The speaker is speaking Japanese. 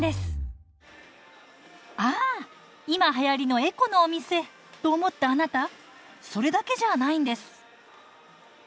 ああ今はやりのエコのお店と思ったあなたそれだけじゃないんです。